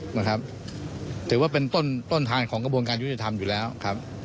ก็จะถือว่าเป็นตัวอย่างก็ได้นะครับ